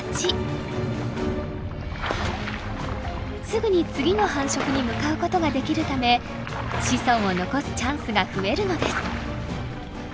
すぐに次の繁殖に向かうことができるため子孫を残すチャンスが増えるのです。